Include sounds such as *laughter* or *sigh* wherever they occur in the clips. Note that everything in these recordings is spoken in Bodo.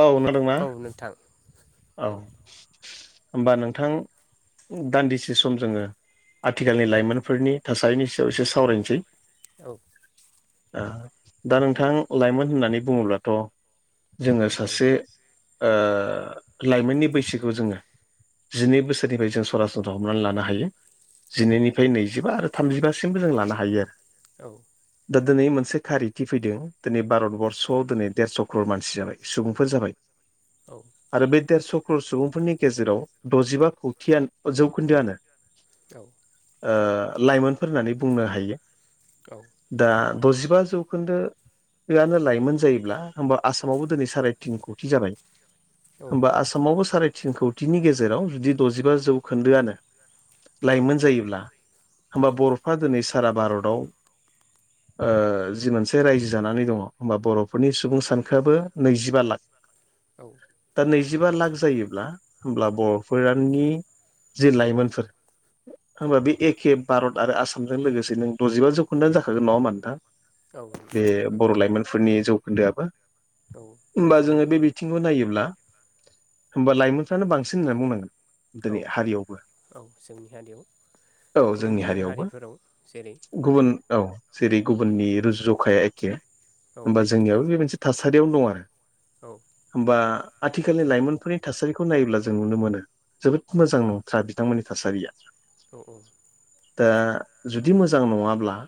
औ नादोंना औ नोंथां औ होमबा नोंथां दान्दिसे सम जोङो आथिखालनि लाइमोनफोरनि थासारिनि सायाव एसे सावरायनोसै औ ओ दा नोंथां लाइमोन होननानै बुङोब्लाथ' जोङो औ सासे ओ लाइमोननि बैसोखौ जोङो जिनै बोसोरनिफ्राय जों सरासनस हमनानै लानो हायो। जिनैनिफ्राय नैजिबा आरो थामजिबासिमबो जों लानो हायो आरो। औ दा दिनै मोनसे खारिथि फैदों दिनै भारतबर्स'आव दिनै देरस' ख्रर मानसि जाबाय सुबुंफोर जाबाय। *inaudible* औ आरो बे देरसक्र' सुबुंफोरनि गेजेराव द'जिबा खौथिय जौखोन्दोआनो औ ओ लाइमोनफोर होननानै बुंनो हायो औ दा द'जिबा जौखोन्दो बेनो लाइमोन जायोब्ला होमबा आसामावबो दिनै साराय तिन कौथि जाबाय होमबा आसामावबो साराय थिन कौतिनि गेजेराव जुदि द'जिबा जौखोन्दोआनो लाइमोन जायोब्ला होमबा बर'फ्रा दिनै सारा भारताव ओ जि मोनसे रायजो जानानै दङ होमबा बर'फोरनि सुबुं सानखोआबो नैजिबा लाख औ दा नैजिबा लाख जायोब्ला होमब्ला बर'फोरनि जि लाइमोनफोर होनबा बे नोंथां एखे भारत आरो आसामजों लोगोसे नों द'जिबा जौखोन्दोआनो जाखागोन नङा होनबा नोंथां? बे बर' लाइमोनफोरनि जौखोन्दोआबो। औ होमबा जोङो द'जिबायानो जाबाय बे बिथिंखौ नायोब्ला होमबा लाइमोनफ्रानो बांसिन होननानै बुंनांगोन। औ दिनै हारियावबो औ जोंनि हारियाव औ गुबुन जोंनि गुबुन हारियावबो हारिफोराव जेरै गुबुन औ जेरै गुबुननि रुजु जखाया एखे औ होनबा जोंनियाबो बे मोनसे थासारियावनो दं आरो। औ होम बा आथिखालनि लाइमोनफोरनि थासारिखौ नायोब्ला जों नुनो मोनो जोबोद औ मोजां नङ जा बिथांमोननि थासारिया औ औ दा जुदि मोजां नङाब्ला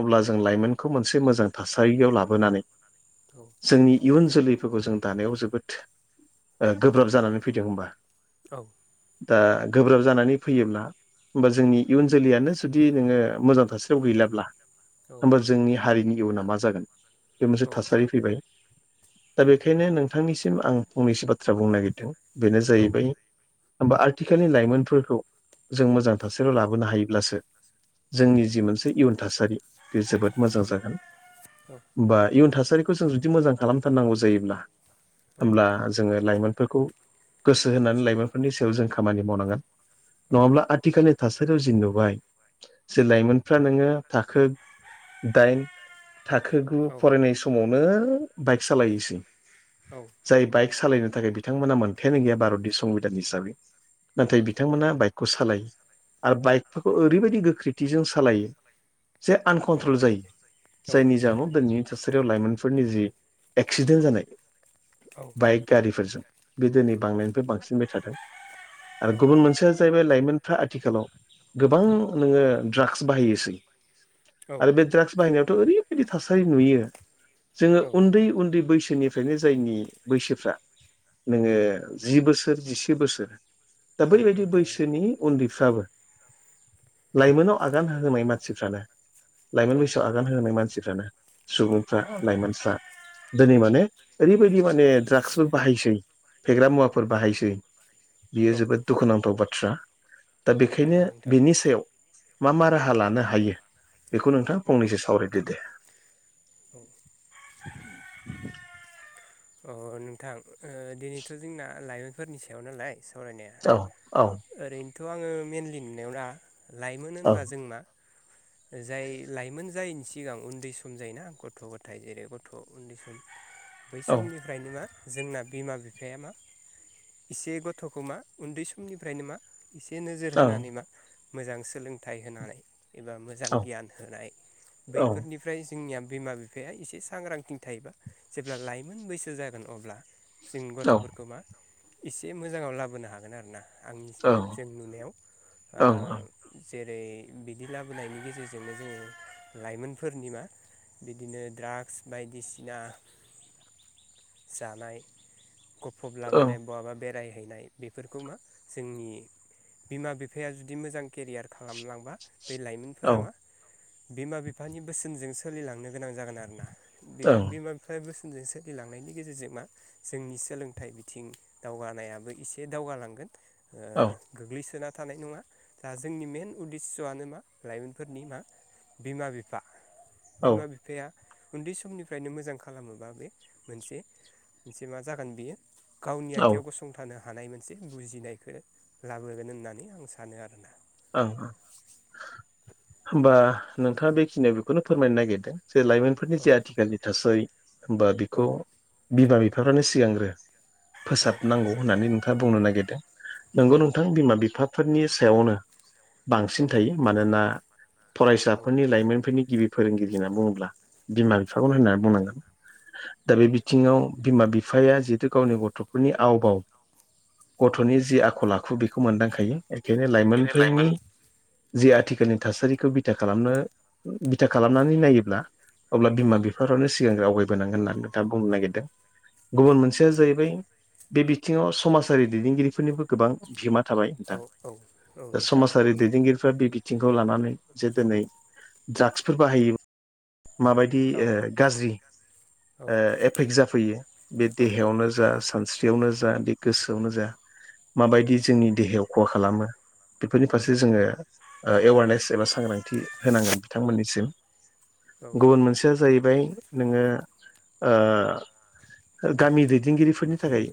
अब्ला जों लाइमोनखौ मोनसे मोजां थासारियाव लाबोनानै औ जोंनि इयुन जोलैफोरखौ जों दानायाव जोबोद ओ गोब्राब जानानै फैदों होमबा औ। दा गोब्राब जानानै फैयोब्ला होमबा जोंनि इयुन जोलैयानो जुदि नोङो मोजां थासारियाव गैलाब्ला होमबा जोंनि हारिनि इयुना मा जागोन बे मोनसे औ थासारि फैबाय दा बेखायनो नोंथांनिसिम आं फंनैसो बाथ्रा बुंनो नागिरदों बेनो औ जाहैबाय होमबा आथिखालनि लाइमोनफोरखौ जों मोजां थासारियाव लाबोनो हायोब्लासो जायो जोंनि जि मोनसे इयुन थासारि बे जोबोद मोजां जागोन। औ बा इयुन थासारिखौ जों जुदि मोजां खालामथारनांगौ जायोब्ला होमब्ला जोङो लाइमोनफोरखौ गोसो होनानै लाइमोनफोरनि सायाव जों खामानि मावनांगोन नङाब्ला आ आथिखालनि थासारियाव जि नुबाय जे लाइमोनफ्रा नोङो थाखो दाइन थाखो गु औ फरायनाय समावनो बाइक सालायोसै। औ। जाय बाइक सालायनो थाखाय बिथांमोना मोनथायानो गैया भारतनि संबिधान हिसाबै नाथाय बि बिथांमोना बाइकखौ सालायो। आरो बाइकफोरखौ ओरैबायदि गोख्रैथिजों सालायो जे आनकन्ट्रल जायो जायनि जाहोनाव दिनैनि थासारियाव लाइमोनफोरनि जि एक्सिडेन्ट जानाया। औ। बाइक गारिफोरजों बे दिनै बांनायनिफ्राय बांसिनबाय थादों। आरो गुबुन मोनसेया जाहैबाय लाइमोनफ्रा आथिखालाव गोबां नोङो ड्राग्स बाहायोसै आरो बे ड्राग्स बाहायनायावथ' ओरैबायदि थासारि नुयो। जोङो औ उन्दै उन्दै बैसोनिफ्रायनो जायनि बैसोफ्रा औ नोङो। जि बोसोर जिसे बोसोर दा औ बैबायदि नोंथां बैसोनि उन्दैफ्राबो लाइमोनाव आगान होहांनाय मानसिफ्रानो लाइमोन औ बैसोआव आ -गान होहांनाय मानसिफ्रानो सुबुंफ्रा लाइमोनफ्रा दिनै माने ओरैबायदि माने द्राग्सबो बाहायसै फेग्रा मुवाफोर बाहायसै बियो औ जोबोद दुखुनांथाव बाथ्रा दा बेखायनो नंगौ नोंथां बिनि सायाव मा मा राहा लानो हायो बेखौ नोंथाङा औ फंनैसो सावरायदो दे। औ अ नोंथां? ओ दिनैथ' जोंना लाइमोनफोरनि सायाव नालाय सावरायनाया औ औ ओरैनोथ' आङो मेनलि नुनायाव दा लाइमोन औ होनबा जोंना जाय लाइमोन जायैनि सिगां उन्दै सम जायोना। गथ' गथाय जेरै गथ' उन्दै सम बै औ समनिफ्रायनो मा जोंना बिमा बिफाया मा एसे गथ'खौ मा उन्दै समनिफ्रायनो मा एसे नोजोर औ होनानै मा मोजां सोलोंथाइ होनानै एबा मोजां औ गियान होनाय औ बैफोरनिफ्राय जोंनिया बिमा बिफाया एसे सांग्रांथि थायोबा जेब्ला लाइमोन बैसो जागोन अब्ला जों औ गथ'फोरखौ मा एसे मोजाङाव लाबोनो हागोन आरो ना। आं जों नुनायाव ओ औ औ जेरै बिदि लाबोनायनि गेजेरजोंनो जोङो लाइमोनफोरनि मा बिदिनो द्राग्स बायदिसिना जानाय। औ गफबलाबायनाय बहाबा बेरायहैनाय बेफोरखौ मा जोंनि बिमा बिफाया जुदि मोजां केरियार खालामलांबा बे औ लाइमोनफोरा मा बिमा बिफानि बोसोनजों सोलिलांनो गोनां जागोन आरो ना। बे ओं बिमा बिफानि बोसोनजों सोलिलांनायनि गेजेरजों मा जोंनि सोलोंथाइ बिथिं दावगानायाबो एसे दावगालांगोन ओ औ गोग्लैसोना थानाय नङा दा जोंनि मेन उद्देस्'आनो मा लाइमोनफोरनि मा बिमा बिफा औ बिमा बिफा बिफा बिफाया उन्दै समनिफ्रायनो मोजां खालामोबा बे मोनसे। मोनसे मा जागोन बियो गावनि औ आथिाव गसंथानो हानाय मोनसे बुजिनायखौ लाबोगोन होननानै आं सानो आरोना। औ औ। होमबा नोंथाङा बेखिनियाव बेखौनो फोरमायनो नागिरदों जे लाइमोन नि औ जे आथिखालनि थासारि हबा औ बेखौ बिमा बिफाफ्रानो सिगां फोसाबनांगौ होननानै नोंथाङा बुंनो नागिरदों। औ नोंगौ नोंथां बिमा बिफा फोरनि सायावनो बांसिन थायो मानोना फरायसाफोरनि लाइमोनफोरनि गिबि फोरोंगिरि होनना बुङोब्ला बिमा बिफाखौ औ होननानै बुंनांगोन। दा बे औ बिथिङाव बिमा बिफा बिफाया जिहेथु गावनि गथ'फोरनि आवबाव औ बेनो लाइमोन औ नोंथां औ गथ'नि जि आखल आखु बे बेखौ मोनदांखायो बेखायनो लाइमोनफोरनि। जिे आथिखालनि थासारिखौ बिथा खालामनो बिथा खालामनानै नायोब्ला अब्ला बिमा बिफाफ्रानो सिगां आवगायबोनांगोन होननानै दा बुंनो नागिरदों। गुबुन मोनसेया जाहैबाय बे बिथिङाव समाजारि दैदेनगिरिफोरनिबो। गोबां बिहोमा थाबाय नोंथां। दा समाजारि दैदेनगिरिफ्रा बे बिथिंखौ लानानै जे दिनै ड्राग्सफोर बाहायो। माबायदि ओ गाज्रि ओ एफेक्ट जाफैयो बे देहायावनो जा सानस्रियावनो जा बे गोसोआवनो जा माबायदि जोंनि देहायाव खहा खालामो। बेफोरनि फारसे जोङो ओ एवारनेस एबा सांग्रांथि होनांगोन बिथांमोननिसिम। गुबुन मोनसेया जाहैबाय नोङो ओ गामि दैदेनगिरिफोरनि थाखाय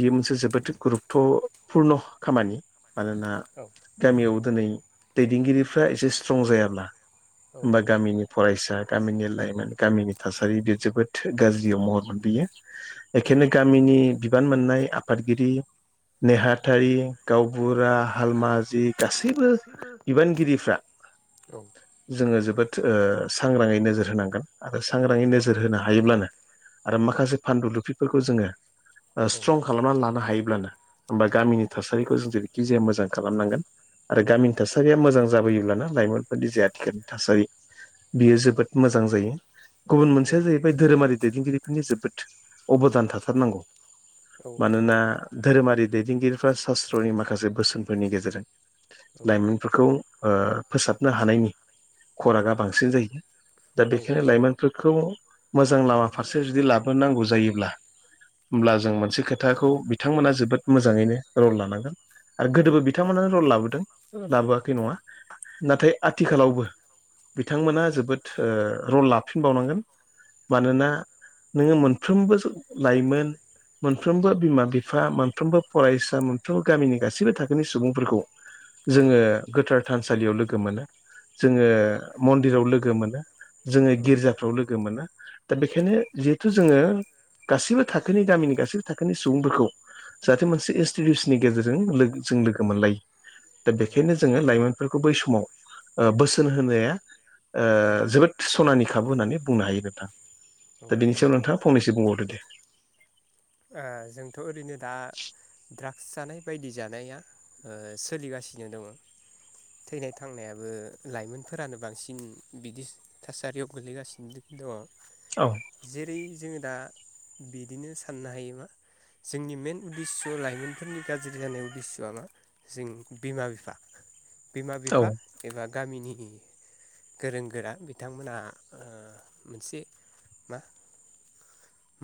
बियो मोनसे जोबोद गुरुपत पुरन खामानि मानोना औ गामियाव दिनै दैदेनगिरिफ्रा एसे स्ट्रं जायाब्ला होमबा गामिनि फरायसा गामिनि लाइमोन गामिनि थासारि बेयो जोबोद गाज्रियाव महर मोन बियो एखायनो गामिनि बिबान मोननाय आफादगिरि नेहाथारि गावबुरा हालमाजि गासैबो बिबानगिरिफ्रा जोङो जोबोद सांग्राङै नोजोर होनांगोन। आरो सांग्राङै नोजोर होनो हायोब्लानो आरो माखासे फानदु लुफिफोरखौ जोङो। स्ट्रं खालामनानै लानो हायोब्लानो होमबा गामिनि थासारिखौ जों जेरैखि जाया मोजां खालामनांगोन। आरो गामिनि थासारिया मोजां जाबोयोब्लाना लाइमोनफोरनि जे आथिखालनि थासारि औ बियो औ जोबोद मोजां जायो गुबुन मोनसेया जाहैबाय बे धोरोमारि दैदेनगिरिफोरनि जोबोद अबदान थाथारनांगौ नोंथां ओ मानोना धोरोमारि दैदेनगिरिफ्रा सास्त्रनि माखासे बोसोनफोरनि गेजेरजों लाइमोन फोरखौ ओ फोसाबनो हानायनि खरागा बांसिन जायो दा बेखायनो लाइमोन फोरखौ मोजां लामा फारसे जुदि लाबोनोनांगौ जायोब्ला होमब्ला जों मोनसे खोथाखौ बिथांमोना जोबोद मोजाङैनो रल लानांगोन। आरो गोदोबो बिथांमोनानो रल लाबोदों लाबोआखै नङा नाथाय आथिखालावबो बिथांमोना जोबोद ओ रल लाफिनबावनांगोन मानोना नोङो मोनफ्रोमबो *unintelligible* लाइमोन। मोनफ्रोमबो बिमा-बिफा मोनफ्रोमबो फरायसा मोनफ्रोमबो गामिनि गासैबो थाखोनि सुबुंफोरखौ जोङो गोथार थानसालियाव लोगो मोनो जोङो मन्दिराव लोगो मोनो। जोङो गिर्जाफ्राव लोगो मोनो। दा बेखायनो जिहेथु जोङो गासैबो थाखोनि गामिनि गासैबो थाखोनि सुबुंफोरखौ जाहाथे मोनसे इनस्टिटिउसननि गेजेरजों लो जों लोगो मोनलायो। दा बेखायनो जोङो लाइमोनफोरखौ बै समाव ओ बोसोन होनाया। ओ जोबोद सनानि खाबु होननानै बुंनो हायो *unintelligible* दा बेनि सायाव नोंथाङा फंनैसो बुंबावदो दे। ओ जोंथ' ओरैनो दा ड्राग्स जानाय बायदि जानाया ओ सोलिगासिनो दङ। थैनाय थांनायाबो लाइमोनफोरानो बांसिन बिदि थासारियाव गोलैगासिनो दङ। औ जेरै जोङो दा बिदिनो साननो हायो मा जोंनि मेन उदेस्स' लाइमोनफोरनि गाज्रि जानाय उदेस्स'आ मा जों बिमा बिफा बिमा औ बिफा एबा गामिनि गोरों गोरा बिथांमोनहा ओ मोनसे मा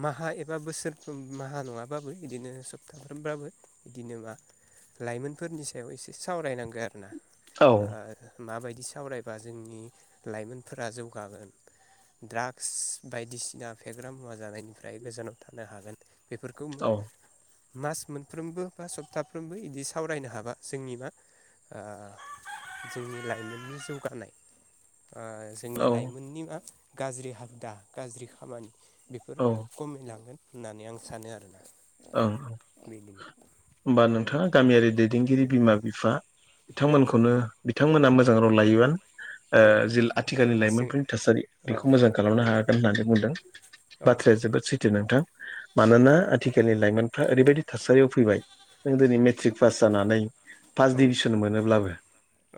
माहा एबा बोसोरफ्रोम माहा नङाबाबो बिदिनो सप्ताफ्रोमबाबो बिदि नोङा। लाइमोनफोरनि सायाव एसे सावरायनांगौ आरोना औ ओ माबायदि सावरायबा जोंनि लाइमोनफोरा जौगागोन। ड्राग्स बायदिसिना फेग्रा मुवा जानायनिफ्राय गोजानाव थानो हागोन बेफोरखौ मो औ मास मोनफ्रोमबो बा सप्ताफ्रोमबो बिदि सावरायनो हाबा जोंनि मा ओ जोंनि लाइमोननि जौगानाय ओ औ जोंनि लाइमोननि मा गाज्रि हाबदा गाज्रि खामानि बेफोर औ खमायलांगोन होननानै आं सानो आरोना। ओं बेदिनो होमबा नोंथाङा गामियारि दैदेनगिरि बिमा बिफा थांमोनखौनो बिथांमोना मोजां रल लायोबा ओ औ जि आथिखालनि जों लाइमोनफोरनि थासारि अ बेखौ मोजां खालामनो हायागोन होननानै बुंदों। औ बाथ्राया जोबोद सैथो नोंथां औ मानोना थिखालनि लाइमोनफ्रा ओरैबायदि थासारियाव फैबाय जों दिनै मेट्रिक पास जानानै फार्स्ट औ डिभिसन मोनोब्लाबो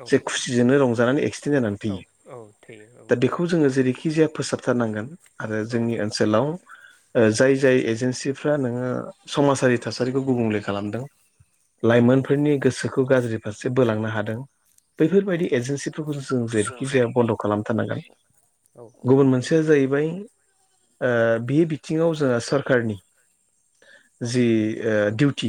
औ जे खुसिजोंनो रंजानानै एक्सिडेन्ट जानानै औ थैयो। औ थैयो औ खौ जोङो जेरैखि जाया फोसाबथारनांगोन आरो औ औ जोंनि ओ सोलाव ओ जाय-जाय एजेन्सि फ्रा नोङो समाजारि थासारिखौ गुबुंले खालामदों औ लाइमोन फोरनि गोसोखौ गाज्रि फारसे बोलांनो हादों बैफोरबायदि एजेन्सि फोरखौ जों जेरैखि जाया बन्द' खालामथारनांगोन औ गुबुन मोनस सेया जाहैबाय ओ बे बिथिङाव जोंहा सरकारनि औ जि ओ डिउटि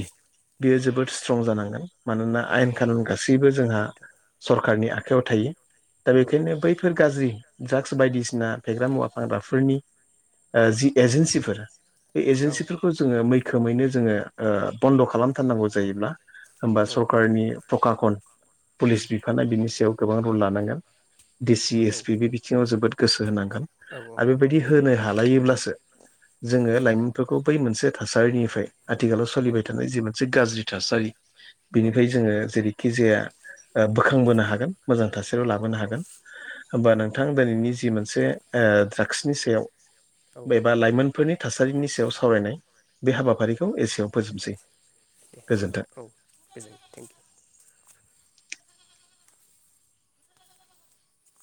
बेयो जोबोद स्ट्रं जानांगोन। मानोना आयेन औ खानुन नंगौ सार गासैबो नंगौ जोंहा‌ नोंथां सरखारारनि आखायाव थायो दा औ बेखायनो बैफोर गाज्रि ड्राग्स बायदिसिना फेग्रा मुवा फानग्राफोरनि औ ओ जि एजेन्सिफोर बे औ एजेन्सिखौ खौ जोङो मैखोमैनो जोङो ओ बन्द' खालामथारनांगौ जायोब्ला होमबा औ सरकारनि फकाखन पुलिस बिफाना बिनि सायाव गोबां रुल लानांगोन डिसि औ एस पि बे सिंङाव जोबोद गोसो होनां गोन औ आरो बेबायदि नोंथां होनो हालायोब्लासो जोङो लाइमोनफोरखौ बै मोनसे थासारिनिफ्राय आथिखालाव औ सोलिबाय थानाय जि मोनसे गाज्रि थासारि औ बिनिफ्राय जोङो जेरैखि जाया ओ बोखांबोनो हागोन। मोजां थासारियाव लाबोनो औ हागोन। होमबा नोंथां दिनैनि जि मोनसे ओ ड्रागसनि सायाव औ बेबा लाइमोन फोरनि थासारिनि सायाव सावरायनाय बे औ हाबाफारिखौ एसेयाव फोजोबसै एस दे गोजोन्थों। नोंथां औ गोजोन थेंक इउ।